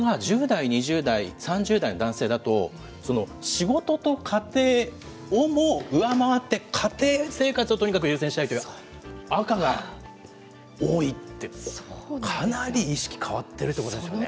それが１０代、２０代、３０代の男性だと、その仕事と家庭をも上回って、家庭生活をとにかく優先したいという赤が多いって、かなり意識、変わってるということですよね。